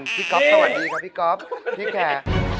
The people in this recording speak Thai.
สวัสดีครับพี่ก๊อฟพี่แข่